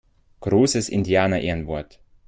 Großes Indianerehrenwort!